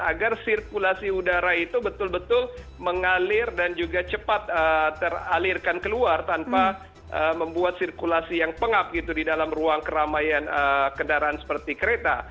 agar sirkulasi udara itu betul betul mengalir dan juga cepat teralirkan keluar tanpa membuat sirkulasi yang pengap gitu di dalam ruang keramaian kendaraan seperti kereta